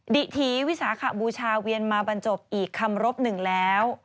ดิถีวิสาขบูชาเวียนมาบรรจบอีกคำรบหนึ่งแล้ว